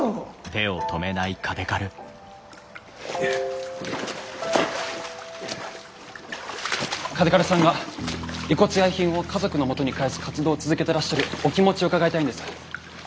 嘉手刈さんが遺骨や遺品を家族のもとに返す活動を続けてらっしゃるお気持ちを伺いたいんです。